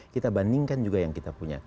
kita bandingkan juga yang kita punya